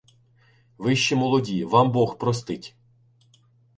— Ви ще молоді — вам Бог простить.